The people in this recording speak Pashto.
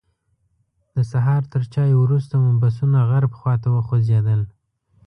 د سهار تر چایو وروسته مو بسونه غرب خواته وخوځېدل.